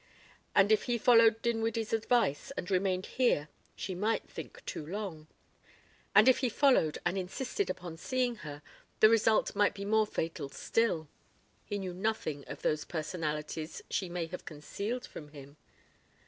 And if he followed Dinwiddie's advice and remained here she might think too long. And if he followed and insisted upon seeing her, the result might be more fatal still. He knew nothing of those personalities she may have concealed from him.